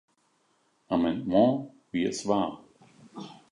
Amendment, wie es war.